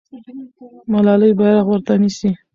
ملالۍ بیرغ ورته نیسي.